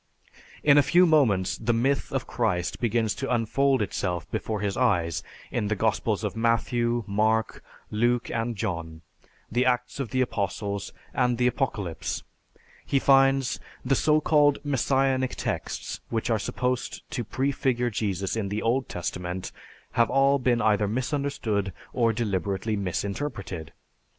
In a few moments the myth of Christ begins to unfold itself before his eyes in the Gospels of Matthew, Mark, Luke, and John, the Acts of the Apostles, and the Apocalypse. He finds, "The so called Messianic texts which are supposed to prefigure Jesus in the Old Testament have all been either misunderstood or deliberately misinterpreted.